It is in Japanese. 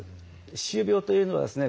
歯周病というのはですね